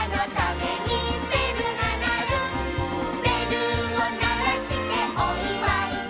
「べるをならしておいわいだ」